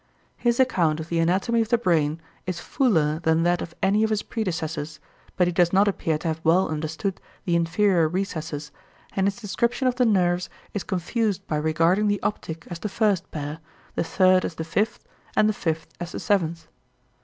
His account of the anatomy of the brain is fuller than that of any of his predecessors, but he does not appear to have well understood the inferior recesses, and his description of the nerves is confused by regarding the optic as the first pair, the third as the fifth, and the fifth as the seventh.